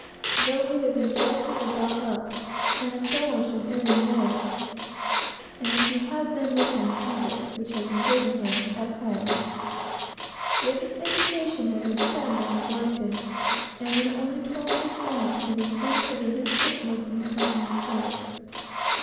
Though he had been delicately brought up, and indulged in every way, (and he had then with him trinkets which had been given him at home,) yet his education had been sadly neglected; and when only twelve years old, he was sent as midshipman in the Company's service.